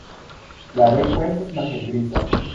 La beko estas malhelgriza.